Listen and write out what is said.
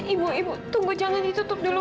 ibu ibu tunggu jangan ditutup dulu